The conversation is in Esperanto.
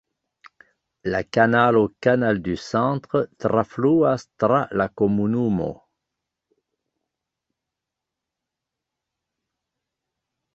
La kanalo Canal du Centre trafluas tra la komunumo.